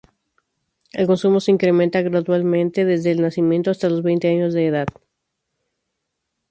El consumo se incrementa gradualmente desde el nacimiento hasta los veinte años de edad.